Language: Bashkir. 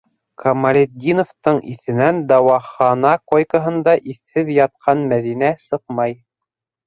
Камалетдиновтың иҫенән дауахана койкаһында иҫһеҙ ятҡан Мәҙинә сыҡмай.